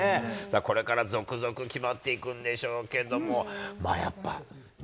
これから続々決まっていくんでしょうけども、やっぱね、